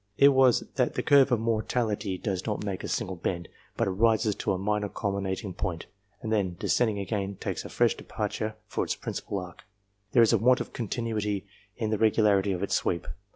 It was, that the curve of mortality does not make a single bend, but it rises to a minor culminating point, and then, descending again, takes a fresh departure for its principal arc. There is a want of continuity in the regularity of its sweep.